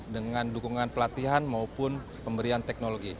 dengan dukungan pelatihan maupun pemberian teknologi